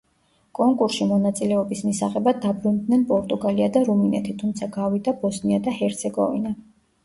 კონკურსში მონაწილეობის მისაღებად დაბრუნდნენ პორტუგალია და რუმინეთი, თუმცა გავიდა ბოსნია და ჰერცეგოვინა.